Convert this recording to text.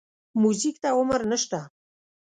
موزیک ته عمر نه شته.